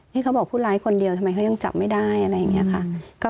เขาบอกผู้ร้ายคนเดียวทำไมเขายังจับไม่ได้อะไรอย่างนี้ค่ะ